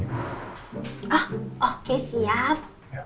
ah oke siap